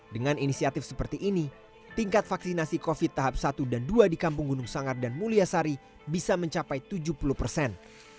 dengan inisiatif seperti ini tingkat vaksinasi covid tahap satu dan dua di kampung gunung sanggar dan mulyasari bisa mencapai tujuh puluh persen